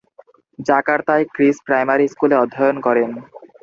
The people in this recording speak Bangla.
জাকার্তায় ক্রিস প্রাইমারী স্কুলে অধ্যয়ন করেন।